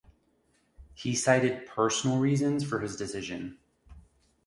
He cited "personal reasons" for his decision.